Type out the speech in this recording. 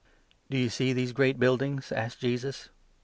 " Do you see these great buildings?" asked 2 Jesus.